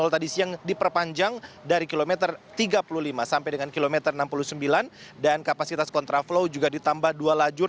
tadi siang diperpanjang dari kilometer tiga puluh lima sampai dengan kilometer enam puluh sembilan dan kapasitas kontraflow juga ditambah dua lajur